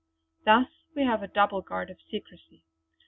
Thus we have a double guard of secrecy.